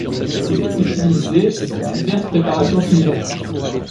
Il est utilisé dans diverses préparations culinaires.